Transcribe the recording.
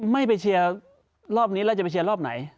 ไม่ไปเชียร์รอบนี้แล้วจะไปเชียร์รอบไหน